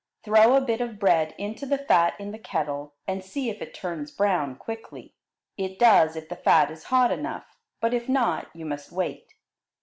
Throw a bit of bread into the fat in the kettle, and see if it turns brown quickly; it does if the fat is hot enough, but if not you must wait.